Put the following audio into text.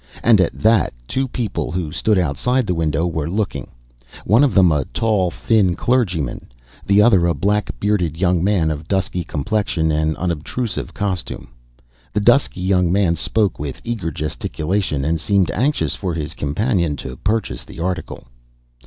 And at that two people, who stood outside the window, were looking, one of them a tall, thin clergyman, the other a black bearded young man of dusky complexion and unobtrusive costume. The dusky young man spoke with eager gesticulation, and seemed anxious for his companion to purchase the article.